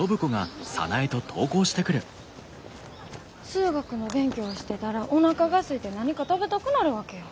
数学の勉強してたらおなかがすいて何か食べたくなるわけよ。